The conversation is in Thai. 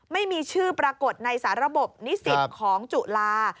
ไม่มีชื่อปรากฏในสาระบบนิสิตของจุฬา